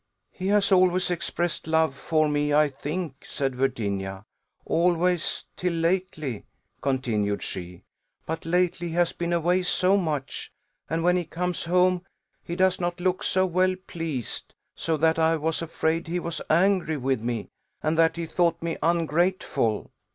"He has always expressed love for me, I think," said Virginia "always, till lately," continued she; "but lately he has been away so much, and when he comes home, he does not look so well pleased; so that I was afraid he was angry with me, and that he thought me ungrateful."